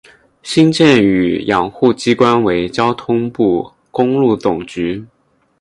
新建与养护机关为交通部公路总局。